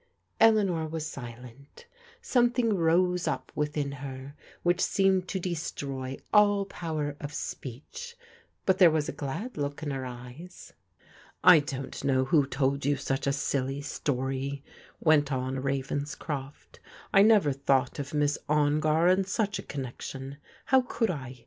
" Eleanor was silent. Something rose up within her which seemed to destroy all power of speech; but there was a glad look in her eyes. " I don't know who told you such a silly story," went on Ravenscroft. " I never thought of Miss Ongar in such a connection. How could I